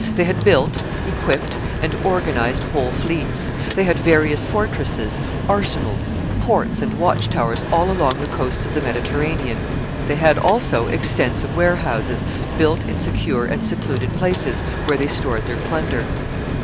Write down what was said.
They had built, equipped, and organized whole fleets. They had various fortresses, arsenals, ports, and watch towers all along the coasts of the Mediterranean. They had also extensive warehouses, built in secure and secluded places, where they stored their plunder.